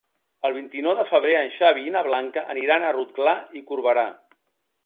El vint-i-nou de febrer en Xavi i na Blanca aniran a Rotglà i Corberà.